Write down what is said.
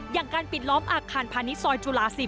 อย่างการปิดล้อมอาคารพาณิชยซอยจุฬา๑๐